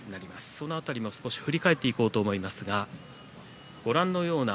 その辺りも振り返っていこうと思います。